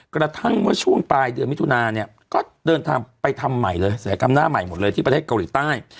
กระทั่งเมื่อช่วงปลายเดือนมิถุนาเนี่ยก็เดินทางไปทำใหม่เลยศัยกรรมหน้าใหม่หมดเลยที่ประเทศเกาหลีใต้